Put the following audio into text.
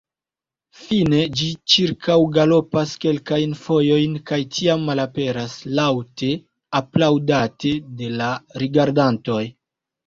Fine ĝi ĉirkaŭgalopas kelkajn fojojn kaj tiam malaperas, laŭte aplaŭdate de la rigardantoj.